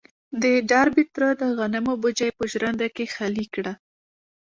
د ډاربي تره د غنمو بوجۍ په ژرنده کې خالي کړه.